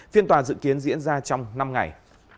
phiên tòa dự kiến diễn ra trong năm ngày